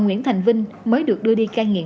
nguyễn thành vinh mới được đưa đi cai nghiện